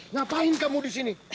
ngapain kamu disini